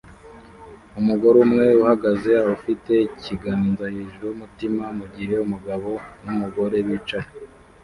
Umugore umwe uhagaze afite ikiganza hejuru yumutima mugihe umugabo numugore bicaye